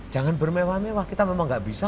jangan bermewah mewah kita memang nggak bisa